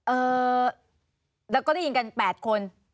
เอ่อแล้วก็ได้ยินกัน๘คน